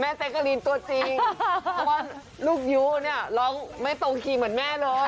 แจ๊กกะลีนตัวจริงเพราะว่าลูกยู้เนี่ยร้องไม่ตรงคีย์เหมือนแม่เลย